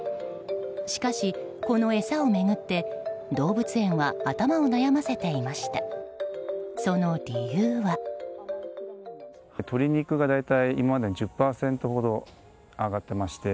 しかし、この餌を巡って動物園は頭を悩ませていました。